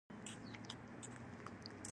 دښمن د سوکاله ژوند مخه نیسي